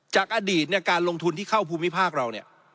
จากอดีตการลงทุนที่เข้าภูมิภาคเรา